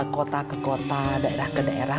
kota ke kota daerah ke daerah